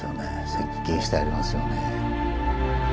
設計してありますよね。